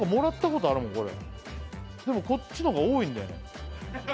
これでもこっちのが多いんだよね